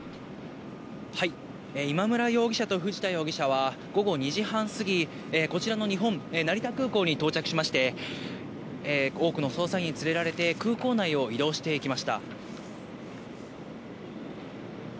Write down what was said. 今村容疑者と藤田容疑者は午後２時半過ぎ、こちらの日本、成田空港に到着しまして、多くの捜査員に連れられて、空港内を移動していきました。